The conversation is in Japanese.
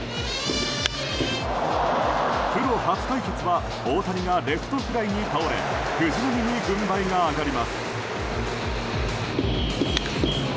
プロ初対決は大谷がレフトフライに倒れ藤浪に軍配が上がります。